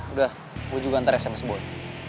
gua juga ntar sms buat